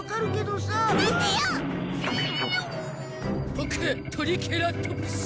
ボクトリケラトプス。